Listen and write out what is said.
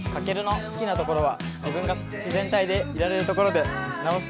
翔のいいところは自分が自然体でいられるところです。